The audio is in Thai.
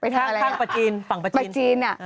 ไปทางฝั่งประจีนฝั่งประจีนอ่ะ